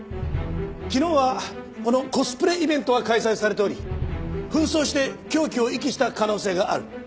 昨日はこのコスプレイベントが開催されており扮装して凶器を遺棄した可能性がある。